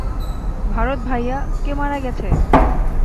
ভারত ভাইয়া, কে মারা গেছে?